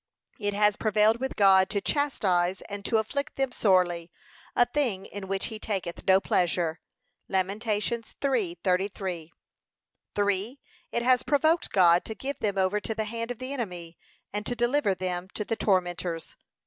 It has prevailed with God to chastise, and to afflict them sorely, a thing in which he taketh no pleasure. (Lam 3:33) (3.) It has provoked God to give them over to the hand of the enemy, and to deliver them to the tormentors.